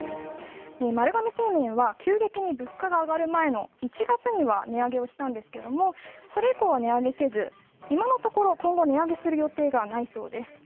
丸亀製麺は急激に物価が上がる前の１月には値上げをしたんですがそれ以降は値上げをせず今のところ今後値上げする予定はないそうです。